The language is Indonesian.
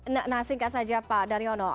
nah singkat saja pak daryono